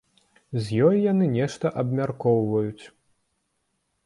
З ёй яны нешта абмяркоўваюць.